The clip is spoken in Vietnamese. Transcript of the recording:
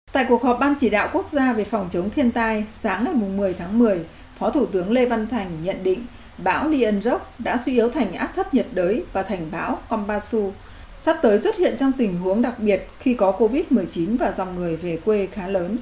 tại cuộc họp ban chỉ đạo quốc gia về phòng chống thiên tai sáng ngày một mươi tháng một mươi phó thủ tướng lê văn thành nhận định bão lyon droc đã suy yếu thành áp thấp nhiệt đới và thành bão kombasu sắp tới xuất hiện trong tình huống đặc biệt khi có covid một mươi chín và dòng người về quê khá lớn